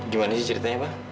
gimana sih ceritanya pak